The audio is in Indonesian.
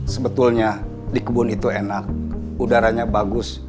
sebetulnya di kebun itu enak udaranya bagus